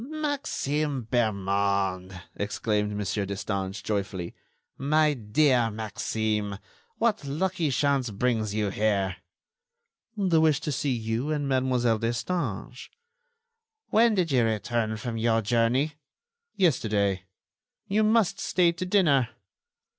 "Maxime Bermond," exclaimed Mon. Destange, joyfully. "My dear Maxime, what lucky chance brings you here?" "The wish to see you and Mademoiselle Destange." "When did you return from your journey?" "Yesterday." "You must stay to dinner."